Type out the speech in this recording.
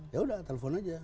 ya udah telepon aja